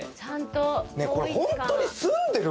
本当に住んでる？